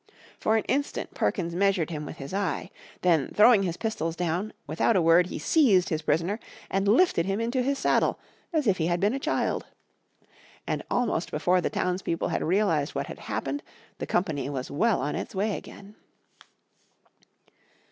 For an instant Perkins measured him with his eye. Then throwing his pistols down, without a word he seized his prisoner, and lifted him into his saddle, as if he had been a child. And almost before the townspeople had realised what had happened the company was well on its way again.